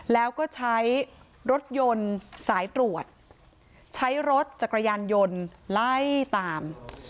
แล้วก็ใช้รถยนต์สายตรวจใช้รถจักรยานยนต์ไล่ตาม